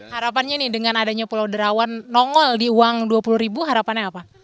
harapannya nih dengan adanya pulau derawan nongol di uang dua puluh ribu harapannya apa